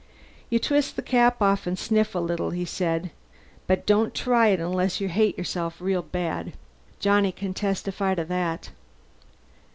"You twist the cap and sniff a little," Hawkes said. "But don't try it unless you hate yourself real bad. Johnny can testify to that."